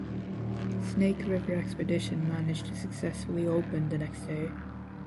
Snake River Expedition managed to successfully open the next day.